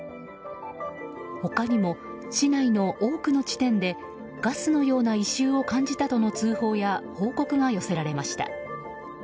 他にも市内の多くの地点でガスのような異臭を感じたとの通報や報告が寄せられました。